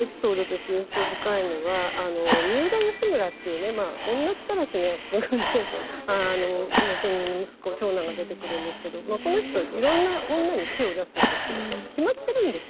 エピソードとして印象深いのは三浦義村っていうね女ったらしの御家人の息子長男が出てくるんですけどこの人いろんな女に手を出すんですけど決まってるんですよ